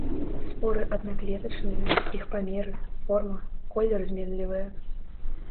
Споры аднаклетачныя, іх памеры, форма, колер зменлівыя.